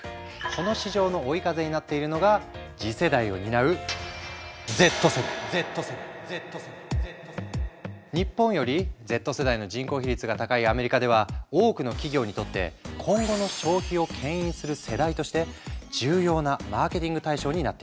この市場の追い風になっているのが次世代を担う日本よりＺ世代の人口比率が高いアメリカでは多くの企業にとって今後の消費をけん引する世代として重要なマーケティング対象になっている。